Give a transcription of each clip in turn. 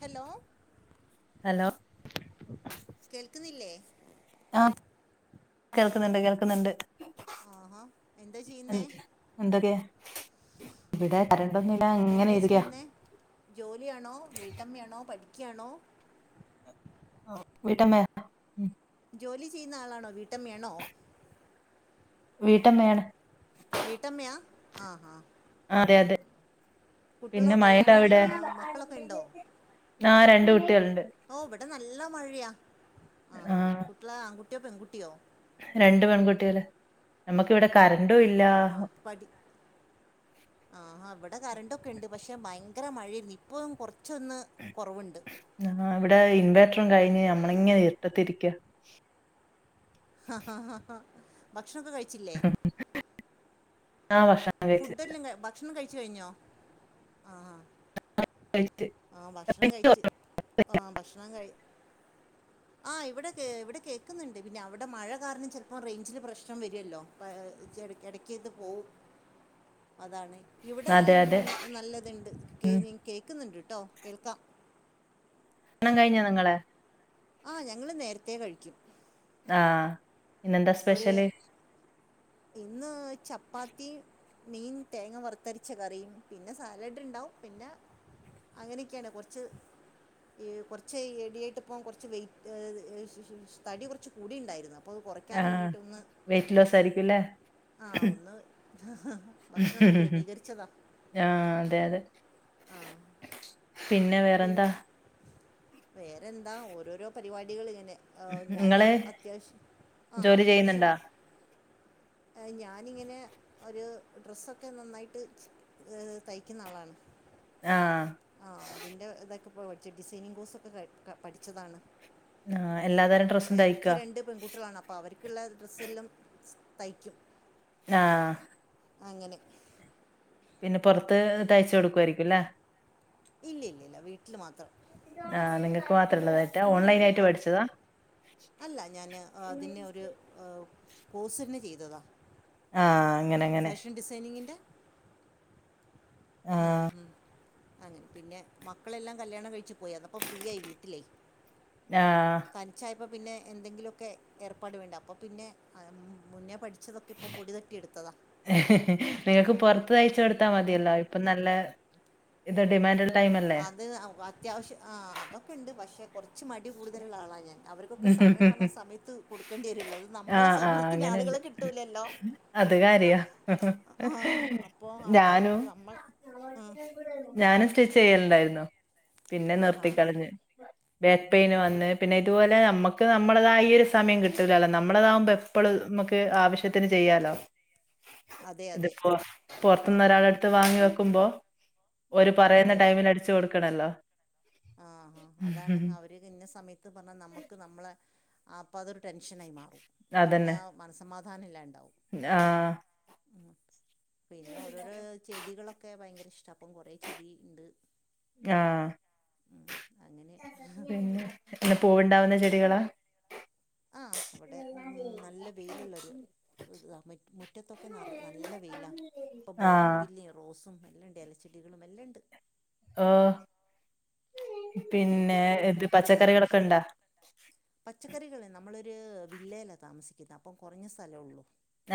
Hello hello കേൾക്ക്ന്നില്ലേ? ആഹ് കേൾക്ക്ന്ന്ണ്ട്, കേൾക്ക്ന്ന്ണ്ട്. ആഹാ എന്താ ഉം ചെയ്യുന്നേ എന്തൊക്കെ? ഇവിടെ കരണ്ടൊന്നുല്ല അങ്ങെനെ എന്താ ഇരിക്ക. ചെയ്യുന്നേ ജോലിയാണോ, വീട്ടമ്മയാണോ, പഠിക്ക്യായാണോ? വീട്ടമ്മേ ജോലി ചയ്യുന്ന ആളാണോ വീട്ടമ്മയാണോ? വീട്ടമ്മയാണ്. വീട്ടമ്മയാ ആഹ്, ആഹ് അതെ, അതെ കുട്ടികളോ പിന്നെ മയെണ്ടോ കല്യാണം ആ, അവിടെ മക്കളൊക്കെ ഉണ്ടോ ആരണ്ട് കുട്ടിയാൾണ്ട്. ഓഹ് ഇവിടെ ന്നല്ലെ മഴയാ ആഹ് ആഹ് കുട്ടിയൾ ആൺകുട്ടിയോ പെൺകുട്ടിയോ? രണ്ട് പെൺകുട്ടികള് ന്നമ്മക്കിവിടെ കറണ്ടുല്ല. പടി ആഹ ഇവടെ കറെണ്ടൊക്കെ ഇണ്ട് പക്ഷെ ഭയെ ങ്കെരെ മഴയാര്ന്ന് ഇപ്പോ കൊർച്ചൊന്ന് ആഹ് ഇവിടെ ഇൻവേർട്ടെറും കഴ്‌ഞ്ഞ് ഉം. ന്നമ്മളിങ്ങെനെ ഇർട്ടെത്തിരിക്ക. ഭക്ഷണൊക്കെ കഴ്‌ ആഹ് ഭക്ഷ ഫുടെല്ലാം ഭക്ഷണം കഴ്‌ച്ച് കഴിഞ്ഞോ ആഹ്, കഴിച്ച് ആഹ് ആഹ് ഭക്ഷണം കഴ്‌ച്ച് ആഹ് ഭക്ഷണം കഴ്‌ ആഹ് ഇവിടെ കേ ഇവിടെ കേൾക്കുന്നുണ്ട് പിന്നെ അവിടെ മഴ കാര്ണം ചെൽപ്പം റേയ്ഞ്ചിൽ പ്രശ്നം വെര്ല്ലോ? എട് എടെക്ക്ന്ന് പോവും. അതാണ് ഇവിടെ അതെ അതെ ന്നല്ലെത്ണ്ട് ഉം കേൾക്കുന്നുണ്ട്ട്ടോ കേൾക്കാം. ണം കഴ്‌ഞ്ഞോ ന്നിങ്ങെള്? ആഹ് ഞങ്ങള് ന്നേര്ത്തെകഴിക്കും. ആഹ് ഇന്നെന്താ ഒരു സ്പെഷ്യല്? ഇന്ന് ചപ്പാത്തീം മീൻ തേങ്ങ വർത്തരച്ച കറിയും പിന്നെ സാലെഡ് ഇണ്ടാവും പിന്നെ അങ്ങനെക്കെണ് കൊറച്ച് കുറച്ച് എഡിയായിട്ട്പ്പ കുറച്ച് വെയിറ്റ് തടി കുറച്ച് കൂടി ഉണ്ടായിരുന്ന അപ്പോന്ന് കുറക്കൻ വേണ്ടിട്ട ഒന്ന് വെയ്റ്റിലസയിരിക്കുംല്ലേ? ആഹ് ഒന്ന് ഭക്ഷണംന്ന് ക്രമീകരിച്ചതാ. ആഹ് അതെ അതെ ആഹ് പിന്നെ പിൻ വേറെന്താ വേറെന്താ ഓരോരോ പരിപാടികളിങ്ങനെ. ഞാന് നിങ്ങള് അത്യാവശ്യം ആ ജോലി അത്യാവശ്യം. ചെയ്യുന്നുണ്ടാ ഞാനിങ്ങനെ ഒരു ഡ്രസ്സൊക്കെ നന്നായിട്ട് തയ്ക്കുന്ന ആളാണ്. ആഹ് ആഹ് അതിൻ്റെ ഇതൊക്കെ ഇപ ഡിൈനിങ് കോഴ്സ്ക്കെ പഠിച്ചതാണ്. ആഹ് എല്ലാതരം അപ്പ ഡ്രസ്സും എനിക്ക് തയ്ക്കോ രണ്ട് പെൺകുട്ടികളാണ്. അപ്പ അവർക്കുള്ള ഡ്രസ്സെല്ലാം തയ്ക്കും. ആഹ് അങ്ങനെ പിന്നെ പുറത്ത് തയ്ച്ച കൊടുക്കയിരിക്കും ല്ലേ? ഇല്ല ഇല്ലില്ല വീ ട്ടില് മാത്രം. ആഹ് നിങ്ങക്ക് ഉം. മാത്രംള്ളതായിട്ടാ ആ ഓൺലൈൻയിട്ട് പഠിച്ചതാ? അല്ല ഞാന് അതിനെ ഒരു കോഴ്സന്നെ ചെയ്തതാ. ആഹ് അങ്ങനെ അങ്ങനെ ഫാഷൻ ഡിസൈനിങ്ങിന്റെ ആഹ് ഉം അങ്ങനെ പിന്നെ മക്കളെല്ലാം കല്യാണം കഴിച്ചു പോയി അന്നപ്പോ ഫ്രീയയി വീട്ടിലേ. ആഹ് തനിച്ചായപ്പോ പിന്നെ എന്തെങ്കിലക്കെ ഏർപ്പാട് വേണ്ട അപ്പോ പിന്നെ മുന്നേ പഠിച്ചതൊക്കെ അപ്പം പൊടി തട്ടി എടുത്തതാ. നിങ്ങൾക്ക് പുറത്ത് തയച്ച കൊടുത്താ ഉം, ഉം. മതിയല്ലോ ഇപ്പ നല്ല ഇത് ഡിമാൻഡ് അത് അത്യാവശ്യം ആ അതൊക്കെണ്ട് പക്ഷെ കുറച്ച് മടി കൂടുതലുള്ള ആളാണ് ഞാൻ. അവർക്കൊക്കെ സമയം പറഞ്ഞാ സമയത്ത് കൊടുക്കേണ്ടിരുല്ലോ അത് നമ്മളെ ആഹ് ആഹ് സൗകര്യത്തിന് അങ്ങനെണ്ട് ആളുകളെ കിട്ടൂലല്ലോ. അത് കാര്യാ ആഹ് അപ്പൊ ഞാനും അതുകൊണ്ട് നമ്മൾ ആ ഞാനും സ്റ്റിച്ച് ചെയ്യലുണ്ടായിരുന്നു. പിന്നെ ആഹാ നിർത്തി കളഞ്ഞ് ഉം, ബാക്ക് ഉം. പെയിന് വന്ന് പിന്നെ ഇതുപോലെ നമ്മുക്ക് നമ്മളതയ ഒരു സമയം കിട്ടൂലല്ലോ നമ്മളതാവമ്പോ എപ്പഴും നമുക്ക് ആവശ്യത്തിന് ചെയ്യാലോ. അതെ അതെ ഇതിപ്പോ പുറത്തുന്ന് ഒരാളടുത്ത് വാങ്ങി വെക്കുമ്പോ ഒരു ഉം, പറയുന്ന ടൈമിൽ അടിച്ചു കൊടുക്കണല്ലോ. ആഹാ അതാണ് ഉം. അവ ന്ന സമയത്ത് പറഞ്ഞ നമ്മക്ക് നമ്മളെ അപ്പത്തൊരു ടെൻഷൻ ആയി മാറും. മനസമാധാനംല്ലാണ്ടാവും. ആഹ് ഉം പിന്നെ ഓരോരോ ചെടികളൊക്കെ ഭയങ്കര ഇഷ്ട. പ്പം കുറെ ചെടി ണ്ട്. ആഹ് അങ്ങനെ പിന്നെ പൂവുണ്ടാവുന്ന ചെടികളാ? ആഹ് അവിടെ നല്ല വെയിലുള്ളൊരു ഇതാ മുറ്റത്തൊക്കെ നല്ല വെയിലാ. ഇപ്പൊ ആ ബോഗൺ വില്ലിയ റോസും എല്ലണ്ട് ഇലച്ചെടികളും എല്ലണ്ട്. ഓ പിന്നെ ചെടികളും പച്ചക്കറികളൊക്കെണ്ടാ? പച്ചക്കറികളെ നമ്മളൊരു വില്ലേലാ താമസിക്കുന്ന അപ്പം കുറഞ്ഞ സ്ഥലള്ളൂ.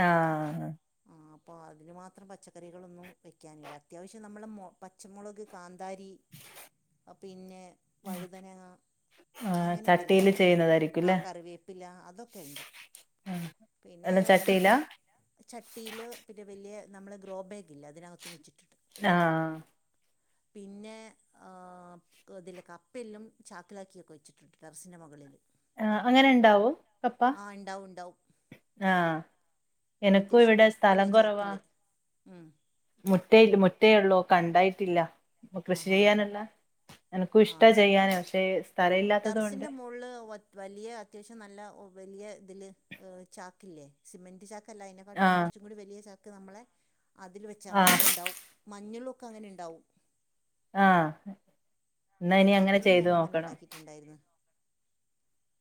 ആഹ് അപ്പൊ അതിന് മാത്രം പച്ചക്കറികളൊന്നും വെക്കാനില്ല അത്യാവശ്യം നമ്മളമൊ പ പച്ചമുളക് കാന്താരി പിന്നെ വഴുതനങ്ങാ ആ അങ്ങനെയൊക്കല്ലേ ചട്ടിയില് ചെയ്യുന്നതായിരിക്കും ആ അല്ലേ കറിവേപ്പില അതൊക്കെ ഉണ്ട് പിന്നെ അല്ല ചട്ടിയിലാ കപ്പ ചട്ടിയിൽ പിന്നെ വലിയ നമ്മളെ ഗ്രോ ബാഗില്ല അതിനകത്തും വെച്ചിട്ടിട്ട് ആഹ പിന്നെ ആഹ് ഇതില്ലേ കപ്പ ഇപ്പലും ചാക്കിലാക്കിയൊക്കെ വെച്ചിട്ടുണ്ട് ടെറസിൻ്റെ മുകളില് ആഹ് അങ്ങനെ ഉണ്ടാവും കപ്പ ഉണ്ടാവും ഉണ്ടാവും ആഹ എനക്കും ഇവിടെ സ്ഥലം കുറവാ ഉം മുറ്റേ ഒള്ളൂ കണ്ടായിട്ടില്ല ആ കൃഷി ഹാ ചെയ്യാനുള്ള എനക്കും ആ ഇഷ്ടാ ചെയ്യാന് പക്ഷേ സ്ഥലം ഇല്ലാത്തത്കൊണ്ട് [unintelligible] വലിയ അത്യാവശ്യം നല്ല വലിയ ചാക്ക് ഇല്ലേ സിമന്റ്‌ ചാക്ക് ക്കല്ല അതിനെക്കാട്ടും ആഹ് കുറച്ചും കൂടി വലിയ ചക്ക് നമ്മളെ അതിൽ വെച്ചാൽ മതി ആഹ് ഉണ്ടാവും മഞ്ഞളുക്കെ അങ്ങനെ ഇണ്ടാവും ആഹ എന്നാ ഇനി അങ്ങനെ ചെയ്ത് നോക്കണം ട്ടുണ്ടായിരുന്നു.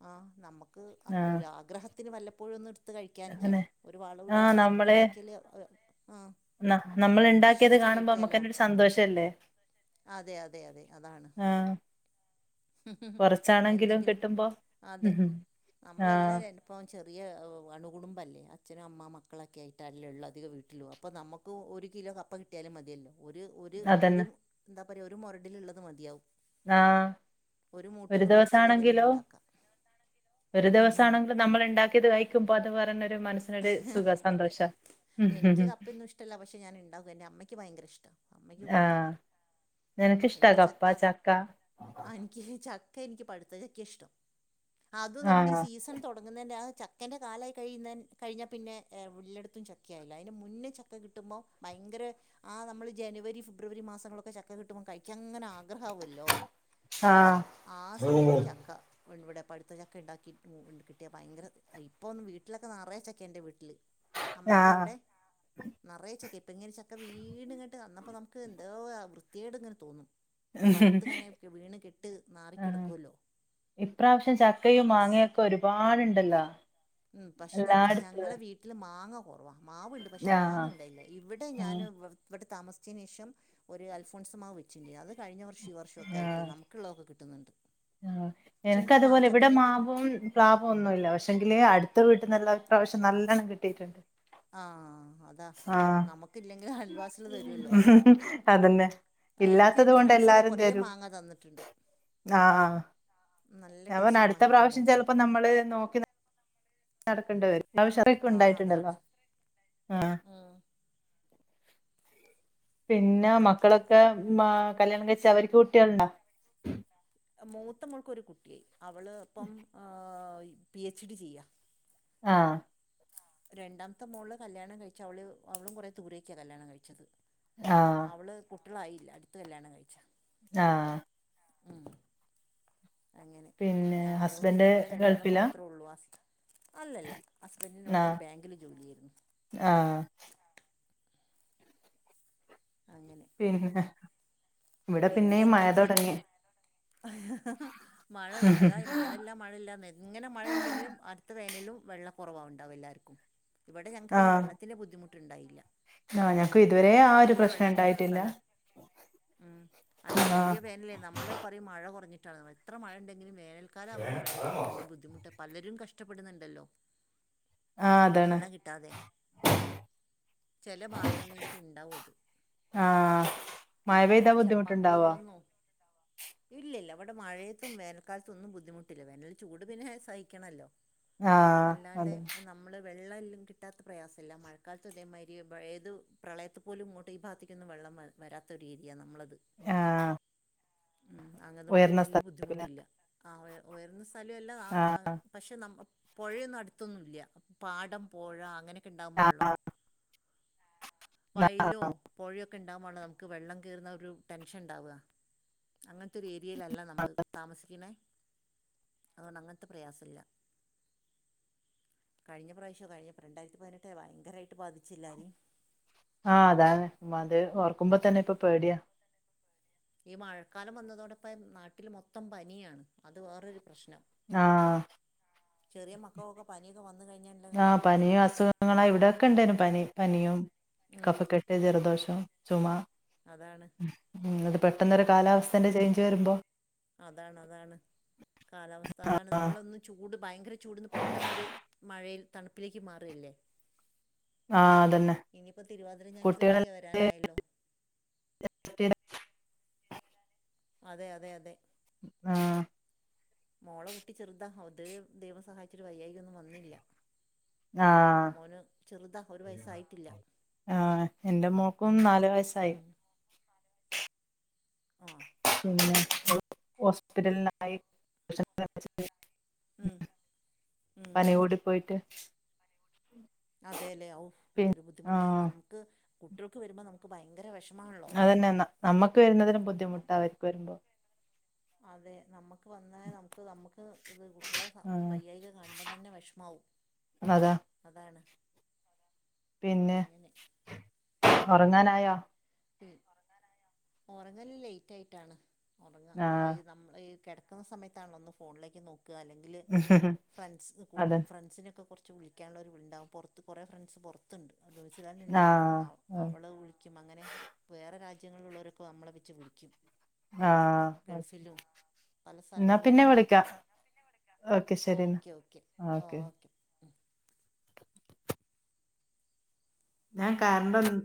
ആഹ് നമ്മക്ക് ആഹ് ഒരാഗ്രഹത്തിന് വല്ലപ്പോഴും ഒന്ന് കഴിക്കാനൊക്കെ അങ്ങനെ ഒരു വളം ആഹ് ഇടാതെ ഞമ്മക്കിണ്ടാക്കിയാൽ ന്ന നമ്മൾ ഇണ്ടാക്കിയത് കാണുമ്പോ നമ്മുക്ക്ന്നെരു സന്തോഷല്ലേ അതെ അതെ അതെ അതാണ് ആഹ് കുറച്ചാണെങ്കിലും എന്തെങ്കിലും കിട്ടുമ്പോ ആഹ് ഇപ്പോ ചെറിയ അണുകുടുംബ അല്ലെ അച്ഛനും അമ്മ മക്കളൊക്കെ ഇപ്പോ നമുക്കും ഒരു കിലോ കപ്പ കിട്ടിയാലും മതിയല്ലോ ഒരു ഒരു ഒരു അതന്നെ എന്താ പറയുക ഒരു മൊരഡിലിള്ളത് മതിയാവും ആഹ് മൂട്ടിൽ ഒരു നിന്ന് ദിവസ പറിച്ചുള്ളത് തന്നെ ആണെങ്കിലോ ഉണ്ടാക്കാം ഒരു ഉം ദിവസ ഉം ആണെങ്കിലും നമ്മൾ ഇണ്ടാക്കിയത് കഴിക്കുമ്പോ അത് വേറെന്നുരു മനസ്സിനൊരു സുഖ അതെ സന്തോഷം എനിക്ക് കപ്പയൊന്നും ഇഷ്ടല്ല പക്ഷെ ഞാൻ ഇണ്ടാക്കും എന്റെ അമ്മക്ക് ഭയങ്കര ഇഷ്ട ആഹ് എനിക്ക് ഇഷ്ട്ട കപ്പ ചക്ക ആഹ് എനിക്ക് ചക്ക എനിക്ക് പഴുത്ത ചക്ക ഇഷ്ടം അത് നമ്മുടെ ഈ ആഹ് സീസൺ തൊടങ്ങുന്നെന്റെ ആഹ് ചക്കെന്റെ കാലായി കഴിന്ന കഴിഞ്ഞാ പിന്നെ എല്ലെടത്തും ചക്ക ആയില്ല അതിന് മുന്നേ ച ക്കെ കിട്ടുമ്പോൾ ഭയങ്കര ആഹ് നമ്മള് ജനുവരി ഫെബ്രുവരി മാസങ്ങളൊക്കെ ചക്ക കിട്ടുമ്പോൾ കഴിക്കാൻ അങ്ങനെ ആഗ്രഹ ആവല്ലോ ആഹ് ആഹ് സമയത്ത് ചക്ക [unintelligible] [inaudible] അമ്മേന്റെ അവിടെ നെറയെ ചക്ക ഇപ്പോ ങ്ങനെ ചക്ക വീണ് ആകെ വൃത്തി കേട് തോന്നു [inaudible] വീണ് കെട്ട് ആഹ് നാറിക്കിടക്കുവല്ലോ ഇപ്രാവശ്യം ചക്കയും മാങ്ങയൊക്കെ ഒരുപാടുണ്ടല്ലോ ഉം പക്ഷെഞ എല്ലായിടത്ത് ഞങ്ങളെ വീട്ടിൽ മാങ്ങ കുറവാ മാവുണ്ട് പക്ഷെ ആഹ് മാങ്ങാണ്ടായില്ല ഇവിടെ ആഹ് ഞാൻ ഇവിടെ താമിച്ചതിനനേശം ഒരുൽഫോൺസ മാവ് വച്ചിണ്ണ അത് കഴിഞ്ഞ വഷം വർഷൊക്കെ ആയിട്ട് നമുക്കുള്ളതക്കെ കിട്ടും [unintelligible] ഉം എനക്ക് അതുപോലെ ഇവിടെ മാവും പ്ലാവോന്നുല്ല പക്ഷെ ങ്കിൽ അടുത്ത വീട്ടിൽന്ന് ഇപ്രാവശ്യം നല്ലോണം കിട്ടിക്കിണ് ആഹ അതാ നമുക്ക് ഇല്ലെങ്കും അൽവാസികൾ തരുല്ലോ അതന്നെ ആഹ് എനിക്കും ഇല്ലാത്തത് എൻറെ ഫ്രണ്ട്സൊക്കെ കുറെ മാങ്ങാ തന്നിട്ടുണ്ട് ആഹ നല്ല ആഹ് ഞാൻ ടേസ്റ്റുള്ള അടുത്ത മാങ്ങയൊക്കെ പ്രാവശ്യം ഉണ്ടായിരുന്നു ചിലപ്പോ നമ്മള് നോ നടക്കേണ്ടി വരും ആ അതാണ് [unintelligible] ഉം പിന്നെ മക്കളൊക്കെ മ കല്യാണം കഴിച്ച അവർക്ക് കുട്ടികളണ്ടാ മൂത്തമൾക്കൊരു കുട്ടിയായി അവള് ഇപ്പം പി എച്ച് ഡി ചെയ്യുക ആഹ് രണ്ടാമത്തെ മോള് കല്യാണം കഴിച്ച അവള് അവളും കുറെ ദൂരൊക്കെയാ കല്യാണം കഴിച്ചത് ആഹ് അവള് കുട്ടികളായില്ല അടുത്ത കല്യാണം കഴിച്ച ആഹ് ഉം ഉം പിന്നെ അതുകൊണ്ട് ഹസ്ബൻഡ് ഞങ്ങൾ രണ്ടാളും ഗൾഫിലാ മാത്രേ ഉള്ളൂ അല്ലല്ല ഹസ്ബൻറ്റിൻ ഇവിടെ ഒരു ബാങ്കിൽ ജോലി ആയിരുന്നു ആഹ അങ്ങനെ പിന്നെ ഇവിടെ പിന്നെ പിന്നെയും മഴ എന്താ വച്ചാൽ തുടങ്ങി മഴ ആഹ് അതായ മഴയെല്ലാം മഴയില്ലാ ഇങ്ങനെ മഴ ഉണ്ടെങ്കില അടുത്ത തേനലും വെള്ള കുറവാവുണ്ടാവും എല്ലാവർക്കും ഇവിടെ ഞങ്ങക്ക് പിന്നെള്ളത്തിന്റെ ബുദ്ധിമുട്ടുണ്ടായില്ല ആഹ ഞങ്ങക്ക് ഇതുവരെ ആ ഒരു പ്രശ്നം ഉണ്ടായിട്ടില്ല ഉ അല്ല കൊടിയ ആഹ് വേനല്ലേ നമ്മള് പറയും മഴ കുറഞ്ഞിട്ടാണ് എത്ര മഴയ ഉണ്ടെങ്കിലും വേനൽ ക്കാലം ആവുമ്പോം വെള്ളത്തിന് പിന്നേും ബുദ്ധിമുട്ട് പലരും കഷ്ടപ്പെടുന്നുണ്ടല്ലോ ആഹ് അതാണ് കുടിവെള്ളം കിട്ടാതെ ചില ഭാഗങ്ങളിലേക്ക് ഉണ്ടാവും അത് ആഹ് മഴ അപ്പൊ പെയ്താ പിന്നെ ജപ്പാൻ ബുദ്ധിമുട്ടുണ്ടാവോ കുടിവെള്ളം ന്നോ ഇല്ല ഇല്ല അവിടെ മഴയത്തും വേനൽക്കാലത്തുംന്നും ബുദ്ധിമുട്ടില്ല വേനൽ ചൂട് പിന്നെ സഹിക്കണല്ലോ ആഹ് അല്ലാണ്ട് അതെ നമ്മ നമ്മള് വെള്ളം കിട്ടാത്ത പ്രയാസമല്ല മഴക്കാലത്ത് അതേമാതിരി ഏതു പ്രളയ പോലും [unintelligible] വെള്ളം വരാത്ത ഒരു രീതി യ്യ നമ്മളത് ആഹ് ഉം അതൊണ്ട് ഉയർന്ന വലയ സ്ഥലത്തായിരിക്കുംല്ലേ ബുദ്ധിമുട്ടില്ല ആഹ് ഉയർന്ന സ്ഥല അല്ല ആഹ് പക്ഷെ നമ്മ പുഴയൊന്നും അടുത്തൊന്നുംല്ല പാടം പുഴ അങ്ങനെയൊക്കെ ഉണ്ടാകുമ്പള്ളോ ആഹ് വയലോ പുഴയൊക്കെ ഉണ്ടാവുമ്പോയാണ് നമുക്ക് വെള്ളം കയറുന്ന ഒരു ടെൻഷൻ ഉണ്ടാവുക അങ്ങനത്തെ ഒരു ഏരിയയിലല്ല നമ്മൾ താമസിക്കണേ അതുകൊണ്ട് അങ്ങനത്തെ പ്രയാസമില്ല കഴിഞ്ഞ പ്രാവശ്യം കഴിഞ്ഞപ്പോം രണ്ടായിരത്തി പതിനെട്ടേ ഭയങ്കരമായിട്ട് ബാധിച്ചില്ലാരും ആഹ് അതാണ്ത് ഓർക്കുമ്പോ ഉം. തന്നെ ഇപ്പൊ പേടിയാ ഈ മഴക്കാലം വന്നതോടൊപ്പം നാട്ടിൽ മൊത്തം പനിയാണ് അത് വേറൊരു പ്രശ്നം ആഹ് ചെറിയ മക്കൾക്കോക്കെ പനിയൊക്കെ വന്ന കഴിഞ്ഞാ ആഹ പനിയും അസുഖങ്ങളാ ഇവിടെക്കെ ഇണ്ടേനു പനി പനിയും ഉം കഫക്കെട്ട ജലദോഷം ചുമ അതാണ് ഉം അത് പെട്ടെന്നരു കാലാവസ്ഥന്റെ ചേഞ്ച് വരുമ്പോ അതാണ് അതാണ് കാലാവസ്ഥ അതാണ് ആഹ് നമ്മളൊന്ന് ചൂട് ഭയങ്കര ചൂട്ന്ന് പെട്ടെന്നൊരു മഴയിൽ തണുപ്പിലേക്ക് മാറല്ലേ ആഹ് അതന്നെ ഇനിയിപ്പോ തിരുവാതിരം കുട്ടികളെ ഞറ്റുവേലൊക്കെ വരാനായല്ലോ അതെ അതെ അതെ ആഹ് മോളെ കുട്ടി ചെറുതാ അത് ദൈവം സഹായിച്ചിട്ടരു വയ്യായിക ഒന്നും വന്നില്ല ആഹ് മോന് ചെറുതാ ഒരു വയസ്സായിട്ടില്ല ആഹ് എന്റെ മോക്കും നാാലു വയസ്സായി ഉം ആഹ് പിന്നെ ഹോസ്പിറ്റലിനായി [unintelligible] ഉം ഉം പനിയ ഉം കൂടി പോയിട്ട് അതെ ല്ലെ ഓ പി എന്തൊരു ബുദ്ധിമുട്ടാ ആഹ് നമുക്ക് കുട്ട വരുമ്പോ നമുക്ക് ഭയങ്കര വിഷമാണല്ലോ അതന്നെ ന- നമ്മക്ക് വരുന്നതിനും ബുദ്ധിമുട്ടാ വരുമ്പോ അതെ നമുക്ക് വന്നാൽ നമുക്ക് നമുക്ക് ഇത് കുട്ടികളെ ആഹ് വൈയായിക കാണുമ്പോം തന്നെ വിഷമാവും അതാ അതാണ് പിന്നെ അങ്ങനെ ഉറങ്ങാനായോ ഉറങ്ങല് ലേറ്റ് ആയിട്ടാണ് ഉറങ്ങ ആഹ് നമ്മള കിടക്കുന്ന സമയത്താണ ഒന്ന് ഫോണിലേക്ക് നോക്കുക അല്ലെങ്കിൽ ഫ്രണ്ട് ക അതെ ഫ്രണ്ട്സിനൊക്കെ കുറച്ച് വിളിക്കാനുള്ള ഒരു ആളുണ്ടകും പുറത്ത് കുറേ ഫ്രണ്ട്സ് പുറത്തുണ്ട് ന്യൂസിലാൻഡ് ഉണ്ട് ഒരാൾ ആഹ് അവള് ക്കും അങ്ങനെ വേറെ രാജ്യങ്ങളിലുള്ളവരൊക്കെ നമ്മളെ വെച്ച് വിളിക്കും ആഹ് ഗൾഫിലും പല ന്നാ പിന്നെ സ്ഥലങ്ങളിലുള്ള വിളിക്കാം ഓക്കെ ശരിന്നാ ഓക്കെ ഓക്കെ ആ ഓക്കെ ഞാൻ കരണ്ടൊന്ന്